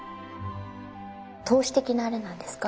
透視的なあれなんですか？